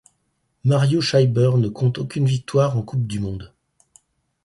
Mario Scheiber ne compte aucune victoire en coupe du monde.